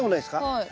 はい。